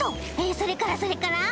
それからそれから？